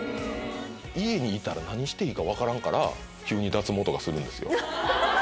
家にいたら何していいか分からんから急に脱毛とかするんですよ。